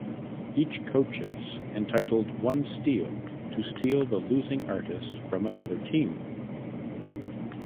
Each coaches entitled one "Steal" to steal the losing artist from another team.